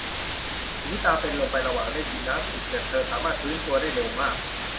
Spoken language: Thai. อะนิตาเป็นลมไประหว่างเล่นยิมนาสติก แต่เธอสามารถฟื้นตัวได้เร็วมาก